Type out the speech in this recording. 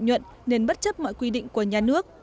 các nhà xe ham lợi nhuận nên bất chấp mọi quy định của nhà nước